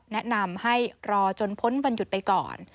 แนะนำให้รอจนพ้นวันหยุดไปก่อน